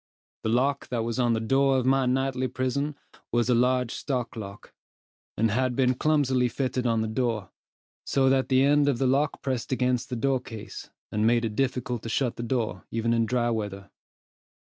The lock that was on the door of my nightly prison was a large stock lock, and had been clumsily fitted on the door, so that the end of the lock pressed against the door case, and made it difficult to shut the door even in dry weather.